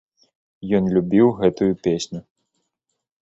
Ён любіў гэтую песню.